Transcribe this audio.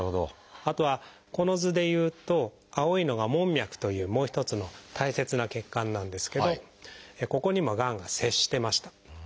あとはこの図でいうと青いのが「門脈」というもう一つの大切な血管なんですけどここにもがんが接してました。